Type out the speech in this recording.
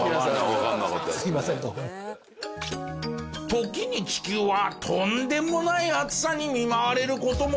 時に地球はとんでもない暑さに見舞われる事も。